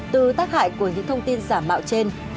từ tác hại của những thông tin giả mạo trên